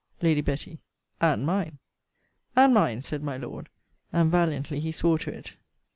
Lady Betty. And mine. And mine, said my Lord: and valiantly he swore to it.